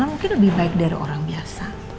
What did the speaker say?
mungkin lebih baik dari orang biasa